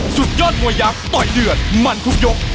สุดยอดมวยยักษ์ต่อยเดือดมันทุกยก